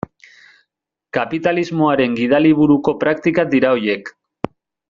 Kapitalismoaren gidaliburuko praktikak dira horiek.